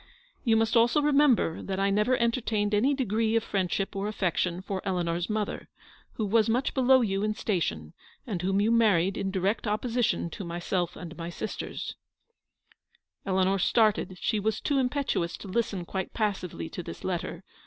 " You must also remember that I never enter 30 tained any degree of friendship or affection for Eleanor's mother, who was much below you in station, and whom you married in direct opposi tion to myself and my sisters —" Eleanor started; she was too impetuous to listen quite passively to this letter.